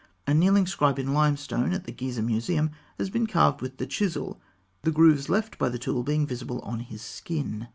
A kneeling scribe in limestone at the Gizeh Museum has been carved with the chisel, the grooves left by the tool being visible on his skin.